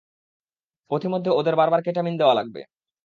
পথিমধ্যে ওদের বারবার কেটামিন দেয়া লাগবে।